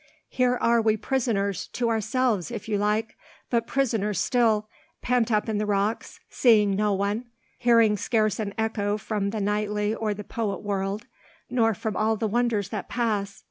"Here are we prisoners—to ourselves, if you like—but prisoners still, pent up in the rocks, seeing no one, hearing scarce an echo from the knightly or the poet world, nor from all the wonders that pass.